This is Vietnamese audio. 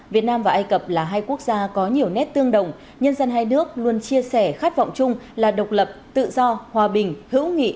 việt nam và ai cập là hai quốc gia có nhiều nét tương đồng nhân dân hai nước luôn chia sẻ khát vọng chung là độc lập tự do hòa bình hữu nghị